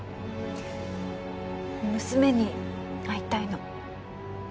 娘に会いたいの。